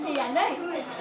bánh gì ăn đi